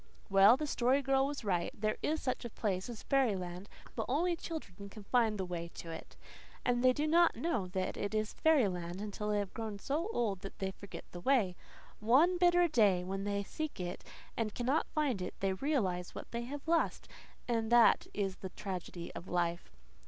Well, the Story Girl was right. There is such a place as fairyland but only children can find the way to it. And they do not know that it is fairyland until they have grown so old that they forget the way. One bitter day, when they seek it and cannot find it, they realize what they have lost; and that is the tragedy of life.